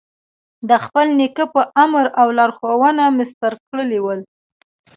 د خپل نیکه په امر او لارښوونه مسطر کړي ول.